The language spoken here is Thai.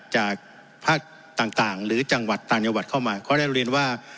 จากภาคต่างหรือจังหวัดต่างจังหวัดเข้ามาก็ได้เรียนว่า